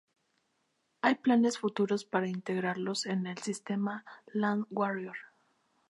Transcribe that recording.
Hay planes futuros para integrarlo en el sistema Land Warrior.